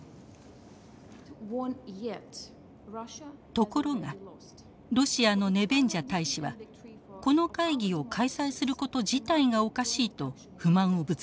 ところがロシアのネベンジャ大使はこの会議を開催すること自体がおかしいと不満をぶつけました。